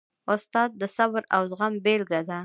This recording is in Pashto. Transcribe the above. استاد د صبر او زغم بېلګه ده.